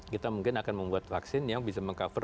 kita mungkin akan membuat vaksin yang bisa meng cover